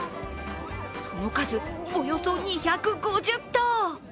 その数、およそ２５０頭。